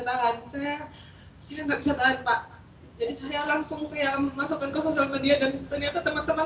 tahan saya saya nggak bisa tahan pak jadi saya langsung masukkan ke sosial media dan ternyata teman teman